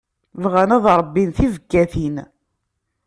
Bɣan ad ṛebbin tibekkatin.